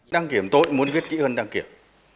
đăng kiểm tội muốn viết kỹ hơn đăng kiểm